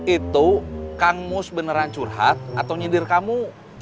itu kang mus beneran curhat atau nyindir kamu